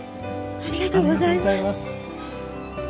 ありがとうございます。